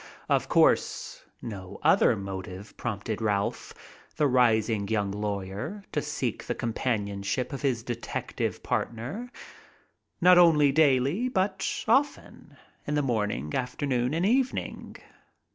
Of course no other motive prompted Ralph, the rising young lawyer, to seek the companionship of his detective partner, not only daily but often, in the morning, afternoon and evening.